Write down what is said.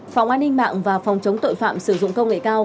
phòng an ninh mạng và phòng chống tội phạm sử dụng công nghệ cao